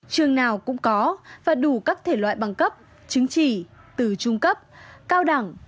trường nào cũng có và đủ các thể loại bằng cấp chứng chỉ từ trung cấp cao đẳng